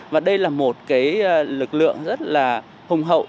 và đây là một cái lực lượng rất là hùng hậu